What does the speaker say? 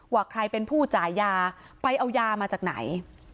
ว่าใครเป็นผู้จ่ายยาไปเอายามาจากไหน